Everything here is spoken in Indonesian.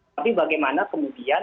tapi bagaimana kemudian